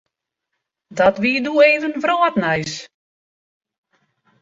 Dat wie doe even wrâldnijs.